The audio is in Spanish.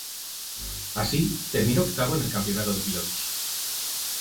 Así, terminó octavo en el campeonato de pilotos.